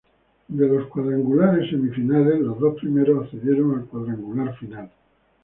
De los cuadrangulares semifinales los dos primeros accedieron al cuadrangular final.